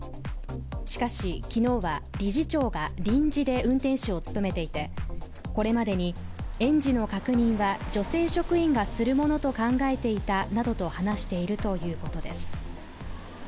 しかし、昨日は理事長が臨時で運転手を務めていてこれまでに園児の確認は女性職員がするものと考えていたなどと話しているということです。